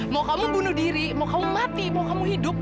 mau kamu bunuh diri mau kamu mati mau kamu hidup